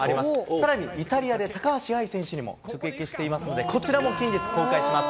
さらにイタリアで高橋藍選手にも直撃していますので、こちらも近日公開します。